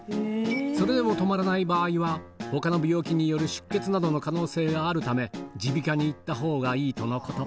それでも止まらない場合は、ほかの病気による出血などの可能性があるため、耳鼻科に行ったほうがいいとのこと。